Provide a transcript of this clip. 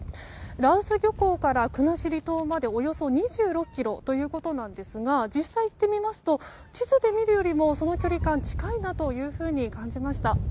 羅臼漁港から国後島までおよそ２６ｋｍということですが実際、行ってみますと地図で見るより距離感が近いと感じました。